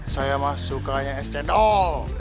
saya sukanya es cendol